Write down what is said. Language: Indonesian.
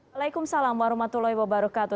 waalaikumsalam warahmatullahi wabarakatuh